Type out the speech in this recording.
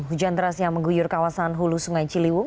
hujan deras yang mengguyur kawasan hulu sungai ciliwung